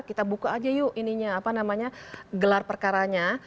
kita buka aja yuk ininya apa namanya gelar perkaranya